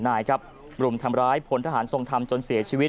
ยศร้อย๓๑๑๑ครับรุมทำร้ายพลทหารทรงทำจนเสียชีวิต